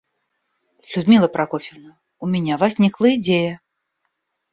Людмила Прокофьевна, у меня возникла идея.